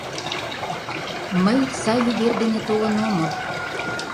— Мый сай увер дене толын омыл.